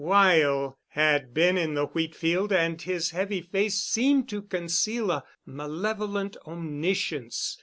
Weyl had been in the wheatfield and his heavy face seemed to conceal a malevolent omniscience.